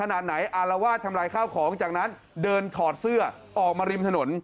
ขนาดไหนอารวาสทำลายข้าวของจากนั้นเดินถอดเสื้อออกมาริมถนน